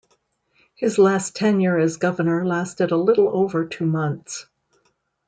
His last tenure as Governor lasted a little over two months.